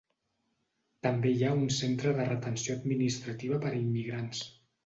També hi ha un centre de retenció administrativa per a immigrants.